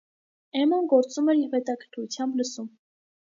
Էմման գործում էր և հետաքրքրությամբ լսում: